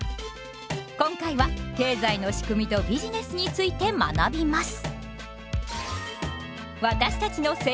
今回は「経済のしくみとビジネス」について学びます。